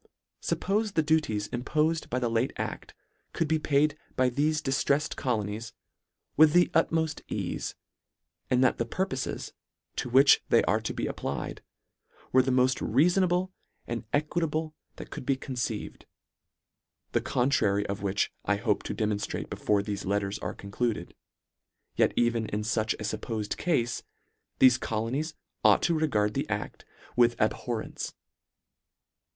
Suppofe the duties, impofed by the late acl, could be paid by thefe diftreffed colonies, with the utmoft eafe, and that the purpofes, to which they are to be applied, were the moft reafonable and e quitable that could be conceived, the contra ry of which I hope to demonftrate before thefe letters are concluded, yet even in such a fuppofed cafe, thefe colonies ought to re gard the acl with abhorrence.